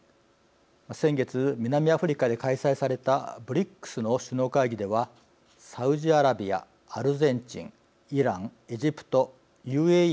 先月南アフリカで開催されたＢＲＩＣＳの首脳会議ではサウジアラビアアルゼンチンイランエジプトＵＡＥ